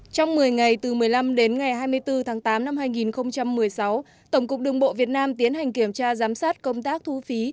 trong một mươi ngày từ một mươi năm đến ngày hai mươi bốn tháng tám năm hai nghìn một mươi sáu tổng cục đường bộ việt nam tiến hành kiểm tra giám sát công tác thu phí